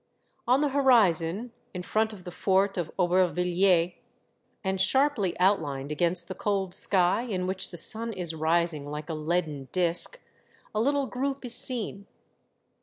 On the horizon, in front of the fort of Auber villiers, and sharply outlined against the cold sky in which the sun is rising like a leaden disc, a little group is seen.